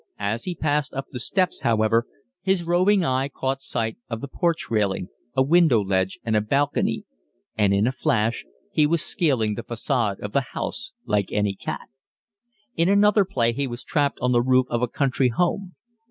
As he passed up the steps, however, his roving eye caught sight of the porch railing, a window ledge, and a balcony, and in a flash he was scaling the facade of the house like any cat. In another play he was trapped on the roof of a country home.